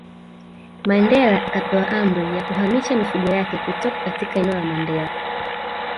Mandela akapewa amri ya kuhamisha mifugo yake kutoka katika eneo la Mandela